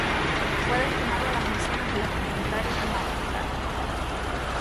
Fue destinado a las misiones de los trinitarios en Madagascar.